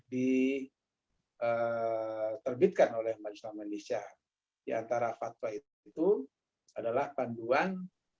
diterbitkan oleh maju islam malaysia di antara fatwa itu adalah panduan